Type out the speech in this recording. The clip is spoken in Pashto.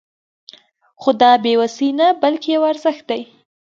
خو دا بې وسي نه بلکې يو ارزښت دی.